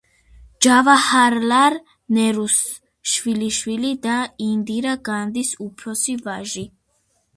ჯავაჰარლალ ნერუს შვილიშვილი და ინდირა განდის უფროსი ვაჟი.